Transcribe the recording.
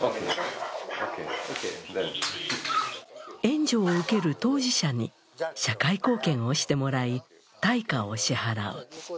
援助を受ける当事者に社会貢献をしてもらい、対価を支払う。